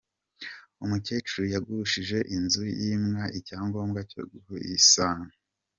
Umukecuru yagushije inzu yimwa icyangombwa cyo kuyisana